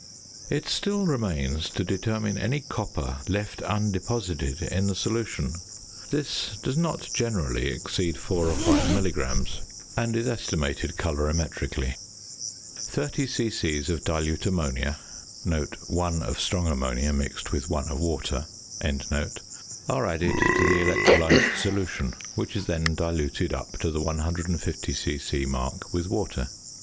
It still remains to determine any copper left undeposited in the solution. This does not generally exceed four or five milligrams, and is estimated colorimetrically. Thirty c.c. of dilute ammonia (one of strong ammonia mixed with one of water) are added to the electrolysed solution, which is then diluted up to the 150 c.c. mark with water.